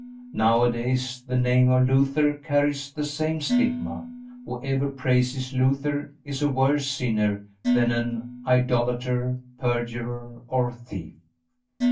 Nowadays the name of Luther carries the same stigma. Whoever praises Luther is a worse sinner than an idolater, perjurer, or thief.